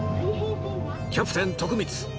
キャプテン徳光